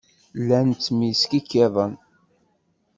Llan ttmeskikkiḍen.